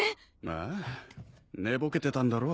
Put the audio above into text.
まあ寝ぼけてたんだろ。